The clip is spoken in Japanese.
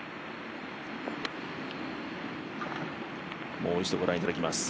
もう一度ご覧いただきます。